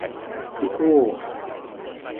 いこーーーーーーぉ